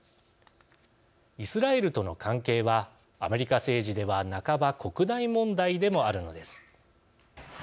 イスラエルとの関係はアメリカ政治では半ば国内問題でもあるのです。